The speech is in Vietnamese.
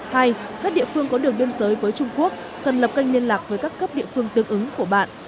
hai các địa phương có đường biên giới với trung quốc cần lập kênh liên lạc với các cấp địa phương tương ứng của bạn